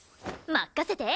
任せて！